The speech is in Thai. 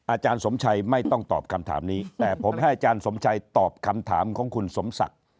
อาจารย์สมชัยไม่ต้องตอบคำถามนี้แต่ผมให้อาจารย์สมชัยตอบคำถามของคุณสมศักดิ์